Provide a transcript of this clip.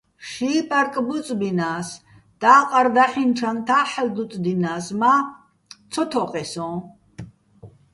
ში პარკ ბუწბინა́ს, და́ყარ დაჰ̦ინო̆ ჩანთა́ ჰ̦ალო̆ დუწდინა́ს, მა́ ცო თო́ყეჼ სო́ჼ.